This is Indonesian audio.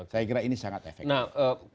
saya kira ini sangat efektif